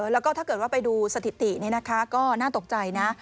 แล้วก็ถ้าเกิดว่าไปดูสถิติก็น่าตกใจนะ